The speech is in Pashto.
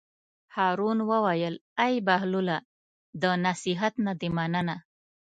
هارون وویل: ای بهلوله د نصیحت نه دې مننه.